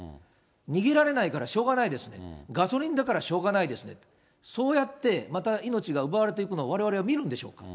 逃げられないからしょうがないですね、ガソリンだからしょうがないですね、そうやってまた命が奪われていくのを、われわれは見るんでしょうか。